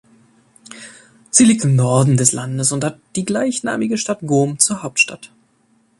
Sie liegt im Norden des Landes und hat die gleichnamige Stadt Ghom zur Hauptstadt.